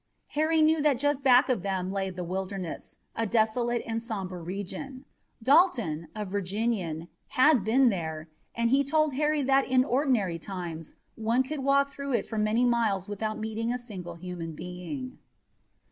Harry knew that just back of them lay the Wilderness, a desolate and somber region. Dalton, a Virginian, had been there, and he told Harry that in ordinary times one could walk through it for many miles without meeting a single human being.